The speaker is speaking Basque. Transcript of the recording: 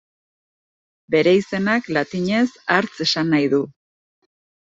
Bere izenak latinez hartz esan nahi du.